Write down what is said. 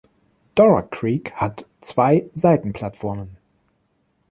Dora Creek hat zwei Seitenplattformen.